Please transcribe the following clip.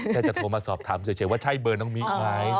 จะโทรมาสอบถามเฉยว่าใช่เบอร์น้องมิไหม